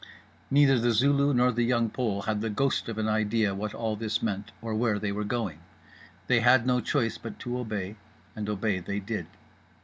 Neither The Zulu nor The Young Pole had the ghost of an idea what all this meant or where they were going. They had no choice but to obey, and obey they did.